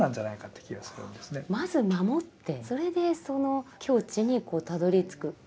まず守ってそれでその境地にたどりつく。